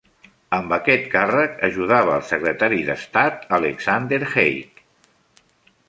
Amb aquest càrrec, ajudava el secretari d'estat Alexander Haig.